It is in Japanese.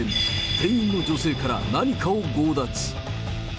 店員の女性から何かを強奪。